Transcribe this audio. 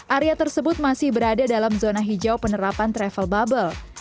area tersebut masih berada dalam zona hijau penerapan travel bubble